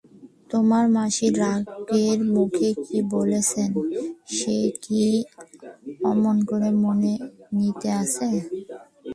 তোমার মাসি রাগের মুখে কী বলেছেন, সে কি অমন করে মনে নিতে আছে।